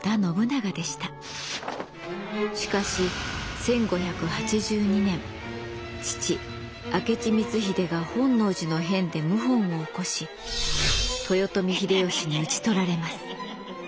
しかし１５８２年父明智光秀が本能寺の変で謀反を起こし豊臣秀吉に討ち取られます。